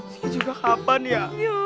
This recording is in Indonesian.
sini juga kapan ya